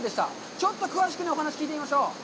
ちょっと詳しくお話を聞いてみましょう。